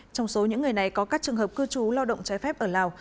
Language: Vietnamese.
trong số những người này có các trường hợp cư trú lo động trái phép ở lào